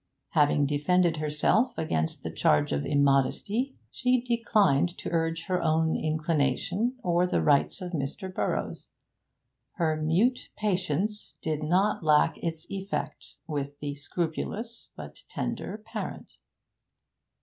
Having defended herself against the charge of immodesty, she declined to urge her own inclination or the rights of Mr. Burroughs; her mute patience did not lack its effect with the scrupulous but tender parent.